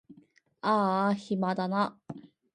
あーあ暇だな